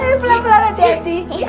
hari ini pelan pelan deh ndi